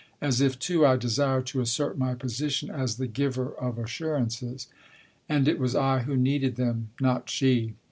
As if, too, I desired to assert my position as the giver of assurances. (And it was I who needed them, not she.)